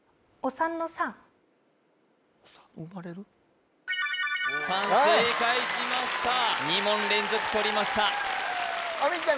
産正解しました２問連続とりました大道ちゃん